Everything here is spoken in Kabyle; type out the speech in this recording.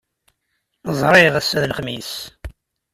Ẓriɣ ass-a d Lexmis.